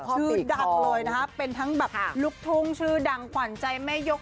ชื่อดังเลยนะครับเป็นทั้งแบบลูกทุ่งชื่อดังขวัญใจแม่ยก